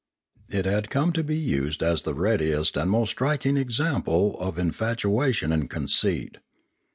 It had come to be used as the readiest and most striking example of infatuation and conceit.